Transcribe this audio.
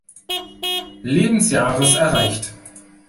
Lebensjahres erreicht.